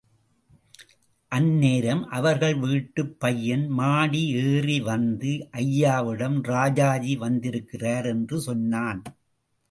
அந் நேரம், அவர்கள் வீட்டுப் பையன் மாடி ஏறி வந்து, ஐயாவிடம், ராஜாஜி வந்திருக்கிறார் என்று சொன்னான்.